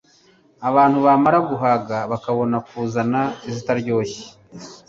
abantu bamara guhaga bakabona kuzana izitaryoshye;